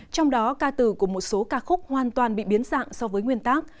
trong đó ca từ của một số ca khúc hoàn toàn bị biến dạng so với nguyên tác